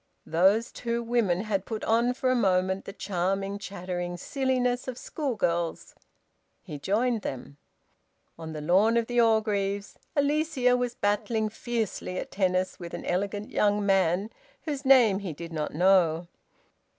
Those two women had put on for a moment the charming, chattering silliness of schoolgirls. He joined them. On the lawn of the Orgreaves, Alicia was battling fiercely at tennis with an elegant young man whose name he did not know.